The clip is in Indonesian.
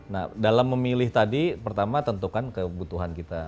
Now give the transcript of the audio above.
nah dalam memilih tadi pertama tentukan kebutuhan kita